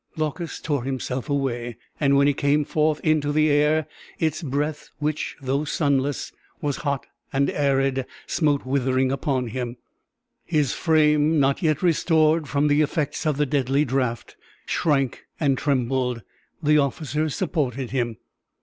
Glaucus tore himself away; and when he came forth into the air, its breath, which though sunless was hot and arid, smote witheringly upon him. His frame, not yet restored from the effects of the deadly draught, shrank and trembled. The officers supported him.